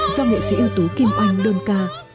do nghệ sĩ ưu tú kim oanh đơn ca